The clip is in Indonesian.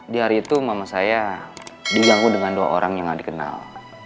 di hari itu mama saya diganggu dengan dua orang yang gak dikenal